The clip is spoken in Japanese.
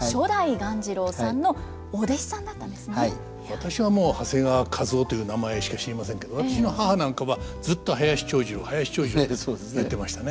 私はもう長谷川一夫という名前しか知りませんけど私の母なんかはずっと「林長二郎林長二郎」って言ってましたね。